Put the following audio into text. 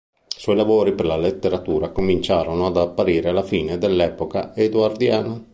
I suoi lavori per la letteratura cominciarono ad apparire alla fine dell'epoca edoardiana.